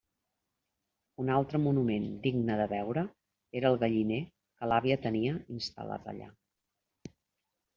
Un altre monument digne de veure era el galliner que l'àvia tenia instal·lat allà.